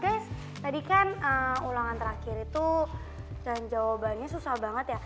oke tadi kan ulangan terakhir itu dan jawabannya susah banget ya